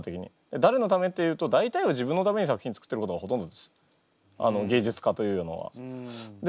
だれのためっていうと大体は自分のために作品作ってることがほとんどです。